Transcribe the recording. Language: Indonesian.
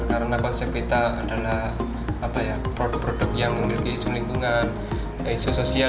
karena konsep kita adalah produk produk yang memiliki isu lingkungan isu sosial